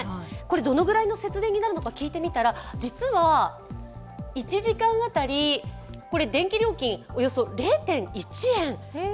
どのぐらいの節電になるのか聞いてみたら実は１時間当たり、電気料金およそ０．１円。